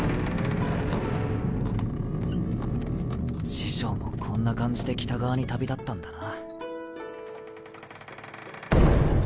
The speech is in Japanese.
師匠もこんな感じで北側に旅立ったんだな。